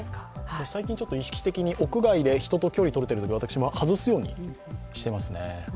最近、意識的に屋外で人と距離とれるときは私も外すようにしてますね。